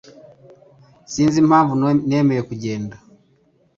Sinzi neza impamvu nemeye kugenda.